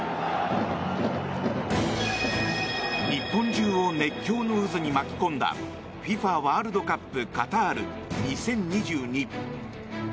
日本中を熱狂の渦に巻き込んだＦＩＦＡワールドカップカタール２０２２。